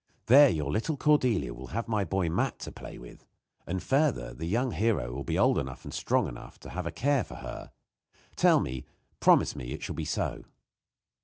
There your little Cordelia will have my boy Matt to play with; and, further, the young hero will be old enough and strong enough to have a care for her. Tell me promise me it shall be so."